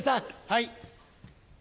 はい。